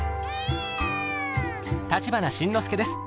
立花慎之介です。